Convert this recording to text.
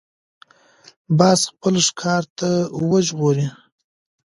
باز خپل ښکار تل وژغوري